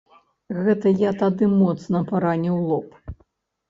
Гэта я тады моцна параніў лоб.